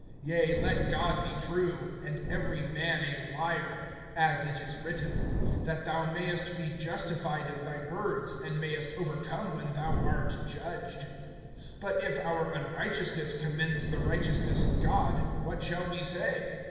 Yea, let God be true and every man a liar; as it is written: That thou mayest be justified in thy words, And mayest overcome when thou art judged. (5)But if our unrighteousness commends the righteousness of God, what shall we say?